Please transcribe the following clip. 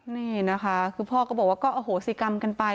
นี่นะคะคือพ่อก็บอกว่าก็อโหสิกรรมกันไป